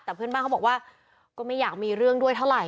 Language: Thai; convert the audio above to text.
แต่เพื่อนบ้านเขาบอกว่าก็ไม่อยากมีเรื่องด้วยเท่าไห